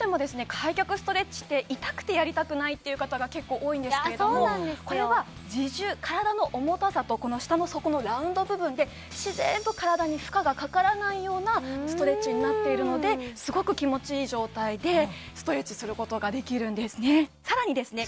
開脚ストレッチって痛くてやりたくないっていう方が結構多いんですけれどもこれは自重体の重たさとこの下の底のラウンド部分で自然と体に負荷がかからないようなストレッチになっているのですごく気持ちいい状態でストレッチすることができるんですねさらにですね